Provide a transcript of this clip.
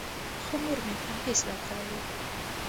خو مور مې پرهېز راکړی و.